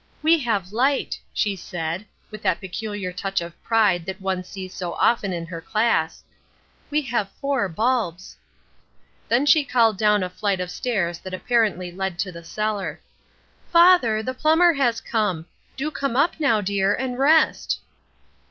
'We have light,' she said, with that peculiar touch of pride that one sees so often in her class, 'we have four bulbs.' "Then she called down a flight of stairs that apparently led to the cellar: "'Father, the plumber has come. Do come up now, dear, and rest.'